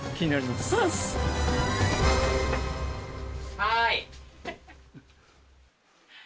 ・はい！